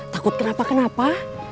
takut kenapa kenapa